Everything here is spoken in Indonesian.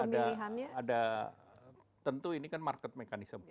ya karena ada tentu ini kan market mechanism